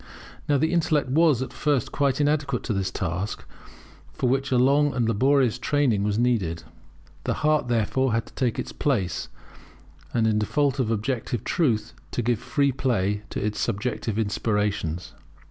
Now the intellect was at first quite inadequate to this task, for which a long and laborious training was needed. The heart, therefore, had to take its place, and in default of objective truth, to give free play to its subjective inspirations.